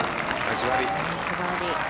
ナイスバーディー。